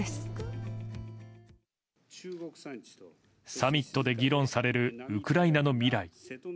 サミットで議論されるウクライナの未来。